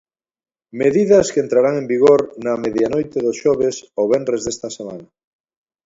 Medidas que entrarán en vigor na medianoite do xoves ao venres desta semana.